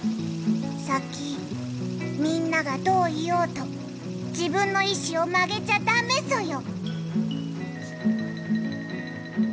サキみんながどう言おうと自分のいしをまげちゃダメソヨ。